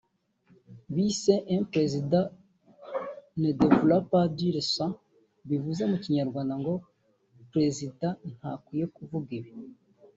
bise “Un président ne devrait pas dire ça” bivuze mu Kinyarwanda ngo “Perezida ntakwiye kuvuga ibi”